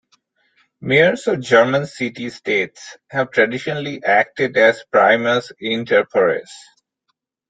Mayors of German city states have traditionally acted as "primus inter pares".